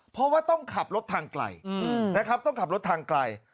เพราะว่าต้องขับรถทางไกลนะครับต้องขับรถทางไกล